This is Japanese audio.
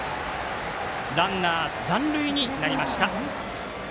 ランナー、残塁になりました。